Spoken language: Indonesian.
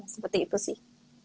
seperti itu sih